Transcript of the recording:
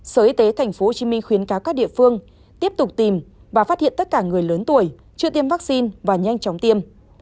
sở y tế tp hcm khuyến cáo các địa phương tiếp tục tìm và phát hiện tất cả người lớn tuổi chưa tiêm vaccine và nhanh chóng tiêm